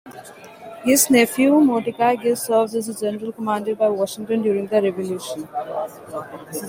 Gist's nephew Mordecai Gist served as a general commanded by Washington during the Revolution.